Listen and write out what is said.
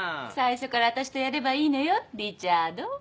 最初から私とやればいいのよリチャード。